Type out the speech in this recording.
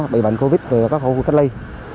bị bệnh covid về các khu vực cách ly